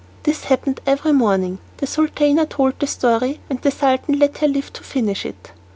This happened every morning. The Sultana told a story, and the Sultan let her live to finish it.